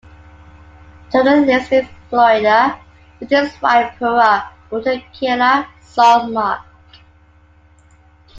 Tony lives in Florida with his wife Pura, daughter Keila, son Mark.